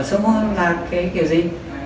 sưng hô là cái kiểu gì